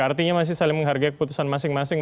artinya masih saling menghargai keputusan masing masing